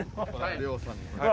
亮さんに。